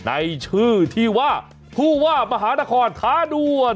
ในชื่อที่ว่าผู้ว่ามหานครท้าด่วน